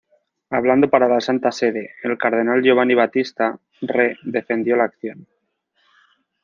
Hablando para la Santa Sede, el cardenal Giovanni Battista Re defendió la acción.